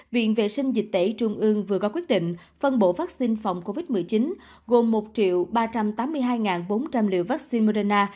viện vệ sinh dịch tễ trung ương vừa có quyết định phân bổ vaccine phòng covid một mươi chín gồm một ba trăm tám mươi hai bốn trăm linh liều vaccine corona